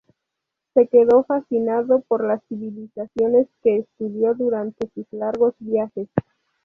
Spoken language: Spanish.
Se quedó fascinado por las civilizaciones que estudió durante sus largos viajes.